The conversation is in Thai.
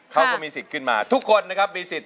ครับ